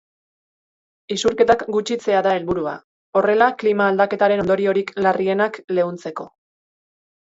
Isurketak gutxitzea da helburua, horrela klima-aldaketaren ondoriorik larrienak leuntzeko.